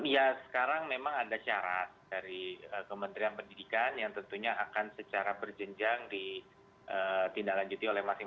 ya sekarang memang ada syarat dari kementerian pendidikan yang tentunya akan secara berjenjang ditindaklanjuti oleh masing masing